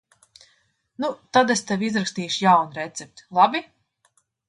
Nu tad es tev izrakstīšu jaunu recepti, labi?